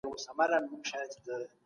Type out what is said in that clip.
کسبګر د الله دوست دی.